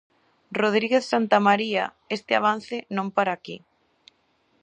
Rodríguez Santamaría, este avance non para aquí.